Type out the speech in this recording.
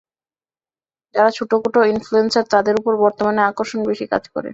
যারা ছোটখাটো ইনফ্লুয়েন্সার তাদের উপর বর্তমানে আকর্ষণ বেশি কাজ করে।